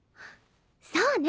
そうね！